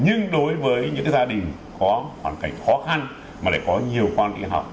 nhưng đối với những gia đình có hoàn cảnh khó khăn mà lại có nhiều quan hệ học